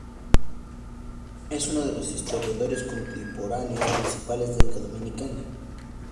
Es uno de los historiadores contemporáneos principales de la República Dominicana.